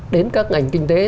đến các ngành kinh tế